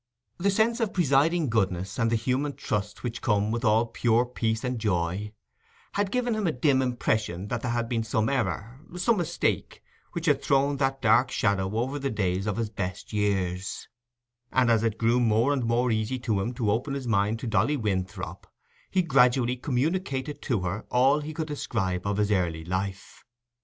The sense of presiding goodness and the human trust which come with all pure peace and joy, had given him a dim impression that there had been some error, some mistake, which had thrown that dark shadow over the days of his best years; and as it grew more and more easy to him to open his mind to Dolly Winthrop, he gradually communicated to her all he could describe of his early life.